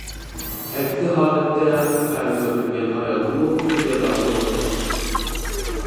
ئەكسى ھالەتتە، ئەرنى ئۆلتۈرگەن ئايالغىمۇ شۇ جازا قوللىنىلىدۇ.